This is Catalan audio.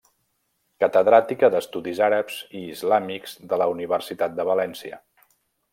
Catedràtica d'Estudis Àrabs i Islàmics de la Universitat de València.